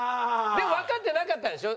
でもわかってなかったでしょ？